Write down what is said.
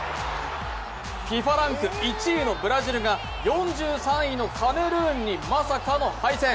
ＦＩＦＡランク１位のブラジルが４３位のカメルーンにまさかの敗戦。